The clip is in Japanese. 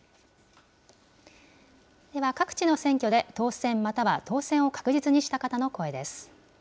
では、各地の選挙で当選、または当選を確実にした方の声です。